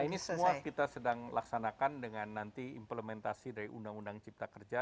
ini semua kita sedang laksanakan dengan nanti implementasi dari undang undang cipta kerja